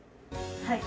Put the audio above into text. はい。